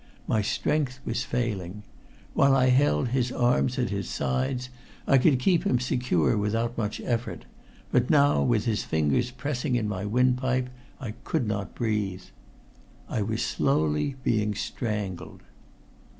My strength was failing. While I held his arms at his sides, I could keep him secure without much effort, but now with his fingers pressing in my windpipe I could not breathe. I was slowly being strangled.